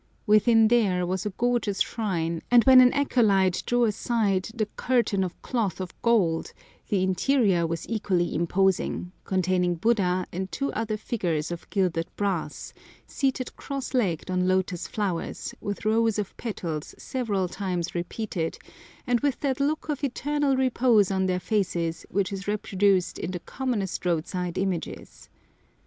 Within there was a gorgeous shrine, and when an acolyte drew aside the curtain of cloth of gold the interior was equally imposing, containing Buddha and two other figures of gilded brass, seated cross legged on lotus flowers, with rows of petals several times repeated, and with that look of eternal repose on their faces which is reproduced in the commonest road side images.